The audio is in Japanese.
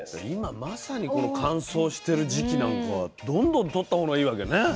今まさにこの乾燥してる時期なんかはどんどんとった方がいいわけね。